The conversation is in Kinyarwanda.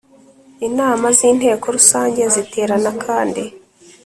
Inama z Inteko Rusange ziterana kandi